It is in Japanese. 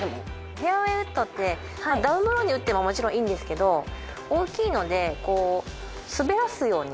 フェアウェイウッドってダウンブローに打ってももちろんいいんですけど大きいので滑らすように。